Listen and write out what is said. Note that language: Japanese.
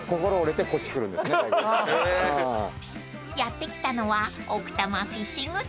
［やって来たのは］